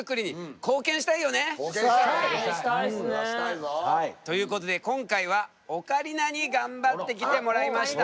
貢献したい！ということで今回はオカリナに頑張ってきてもらいました。